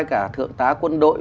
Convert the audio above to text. chúng ta quân đội